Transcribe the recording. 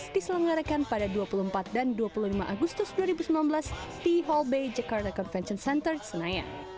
diselenggarakan pada dua puluh empat dan dua puluh lima agustus dua ribu sembilan belas di hall b jakarta convention center senayan